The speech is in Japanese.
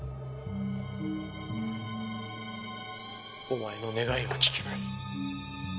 お前の願いは聞けない。